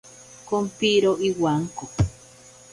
Kompiro iwanko.